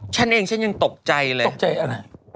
ฉันเองฉันยังตกใจเลยตกใจอะไร